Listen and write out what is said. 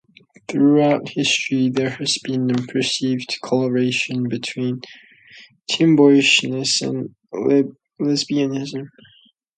Throughout history, there has been a perceived correlation between tomboyishness and lesbianism.